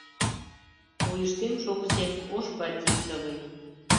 Вуйыштем шовычем ош батистовый: